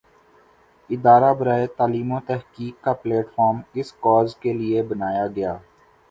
ادارہ برائے تعلیم وتحقیق کا پلیٹ فارم اس کاز کے لئے بنایا گیا۔